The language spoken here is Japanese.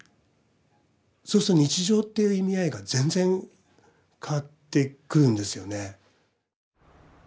そうすると日常っていう意味合いが全然変わってくるんですよね。